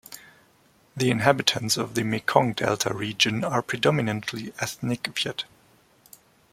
The inhabitants of the Mekong Delta region are predominantly ethnic Viet.